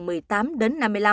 nghiên cứu sẽ đánh giá độ an toàn